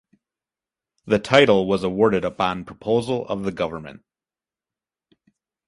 The title was awarded upon proposal of the government.